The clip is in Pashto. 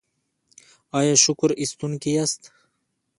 ایا شکر ایستونکي یاست؟